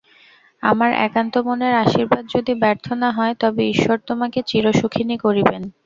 আমার একান্ত মনের আশীর্বাদ যদি ব্যর্থ না হয়, তবে ঈশ্বর তোমাকে চিরসুখিনী করিবেন।